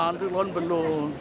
ya nanti loh belum